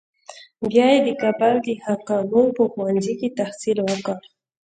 بیا یې د کابل د حکامو په ښوونځي کې تحصیل وکړ.